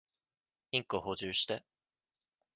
インク補充して。